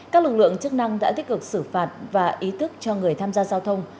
các lực lượng chức năng đã tích cực xử phạt và ý thức cho người tham gia giao thông